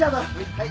はい。